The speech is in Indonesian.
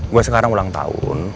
gue sekarang ulang tahun